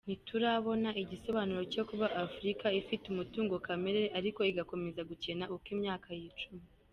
Ntiturabona igisobanuro cyo kuba Afurika ifite umutungo kamere ariko igakomeza gukena uko imyaka yicuma.